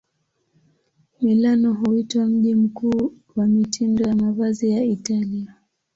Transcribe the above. Milano huitwa mji mkuu wa mitindo ya mavazi ya Italia.